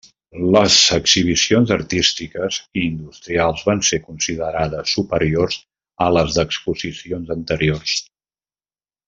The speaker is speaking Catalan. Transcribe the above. Les exhibicions artístiques i industrials van ser considerades superiors a les d'exposicions anteriors.